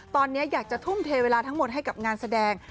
ตอนนี้อยากจะทุ่มเทเวลาทั้งหมดให้กับงานแสดง